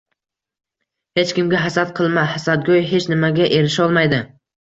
Hech kimga hasad qilma. Hasadgo’y hech nimaga erisholmaydi.